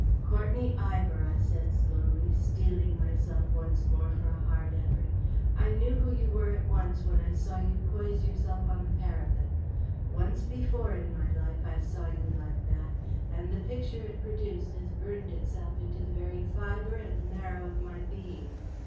"Courtenay Ivor," I said slowly, steeling myself once more for a hard effort, "I knew who you were at once when I saw you poise yourself on the parapet. Once before in my life I saw you like that, and the picture it produced has burned itself into the very fibre and marrow of my being.